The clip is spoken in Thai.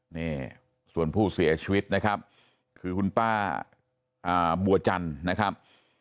นี่ส่วนผู้เสียชีวิตนะครับคือคุณป้าบัวจันทร์นะครับ